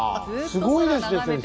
すごいですね先生。